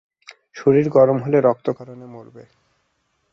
শরীর গরম হলে, রক্তক্ষরণে মরবে।